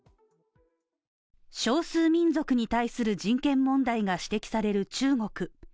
少数民族に対する人権問題が指摘される中国。